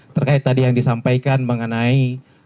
terkait tadi yang disampaikan mengenai